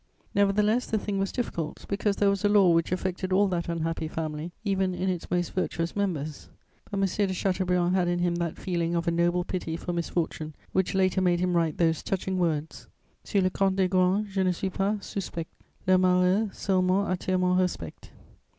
Nevertheless, the thing was difficult, because there was a law which affected all that unhappy family, even in its most virtuous members. But M. de Chateaubriand had in him that feeling of a noble pity for misfortune, which later made him write those touching words: Sur le compte des grands je ne suis pas suspect: Leurs malheurs seulement attirent mon respect.